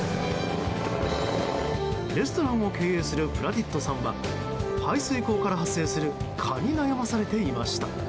レストランを経営するプラディットさんは排水溝から発生する蚊に悩まされていました。